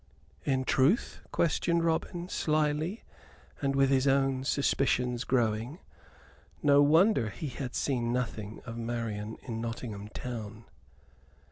"In truth?" questioned Robin, slily, and with his own suspicions growing. No wonder he had seen nothing of Marian in Nottingham town.